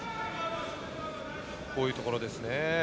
こういうところですね。